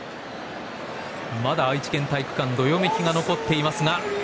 まだ愛知県体育館どよめきが残っています。